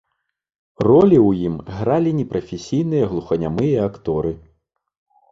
Ролі ў ім гралі непрафесійныя глуханямыя акторы.